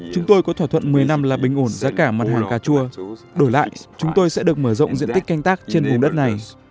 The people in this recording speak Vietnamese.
chúng tôi có thỏa thuận một mươi năm là bình ổn giá cả mặt hàng cà chua đổi lại chúng tôi sẽ được mở rộng diện tích canh tác trên vùng đất này